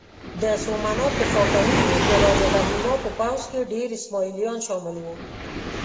د سومنات دفاع کوونکي د راجه بهیما په پوځ کې ډېر اسماعیلیان شامل وو.